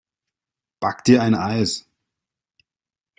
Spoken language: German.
Back dir ein Eis!